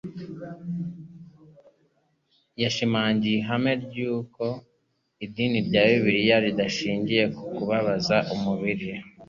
Yashimangiye ihame ry'uko idini rya Bibiliya ridashingiye ku kubabaza umubiri.